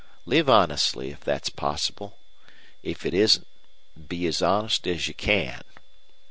Live honestly, if that's possible. If it isn't, be as honest as you can.